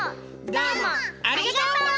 どうもありがとう！